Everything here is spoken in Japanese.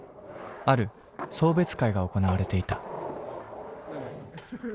ある送別会が行われていた。